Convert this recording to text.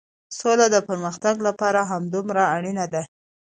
سوله د پرمختګ لپاره همدومره اړينه ده.